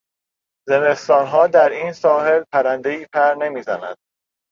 زمستانها در این ساحل پرندهای پر نمیزند.